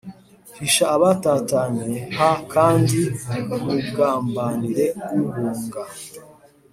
Hisha abatatanye h kandi ntugambanire uhunga